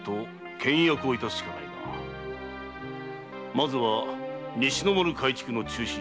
まずは西の丸改築の中止。